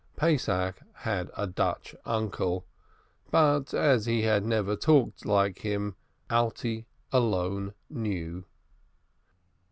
Pesach had a Dutch uncle, but as he had never talked like him Alte alone knew.